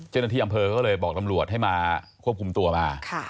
เจ้าหน้าที่อำเภอก็เลยบอกตำรวจให้มาควบคุมตัวมา